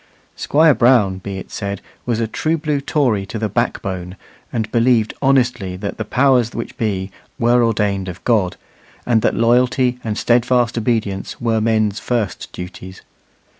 Squire Brown, be it said, was a true blue Tory to the backbone, and believed honestly that the powers which be were ordained of God, and that loyalty and steadfast obedience were men's first duties.